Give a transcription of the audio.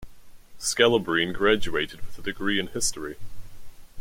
Scalabrine graduated with a degree in history.